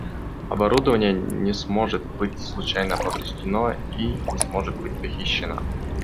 Оборудование не сможет быть случайно повреждено и не сможет быть похищено